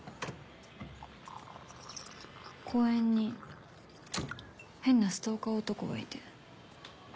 公園に変なストーカー男がいて。